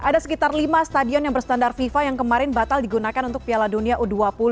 ada sekitar lima stadion yang berstandar fifa yang kemarin batal digunakan untuk piala dunia u dua puluh